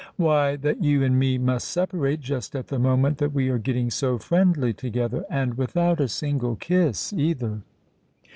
"Why—that you and me must separate just at the moment that we are getting so friendly together—and without a single kiss, either."